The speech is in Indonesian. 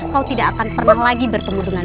kasian banget ya